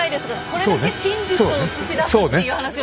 これだけ真実を映し出すっていう話を。